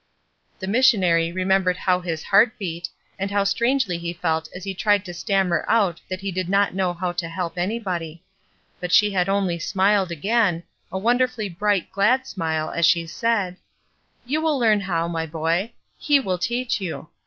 The missionary remembered how his heart beat and how strangely he felt as he tried to stammer out that he did not know how to help anybody; but she had only smiled again, a wonderfully bright, glad smile as she said :— "You will learn how, my boy; He will teach you.